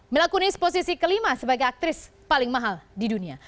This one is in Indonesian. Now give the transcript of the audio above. melakunis posisi kelima sebagai aktris paling mahal di dunia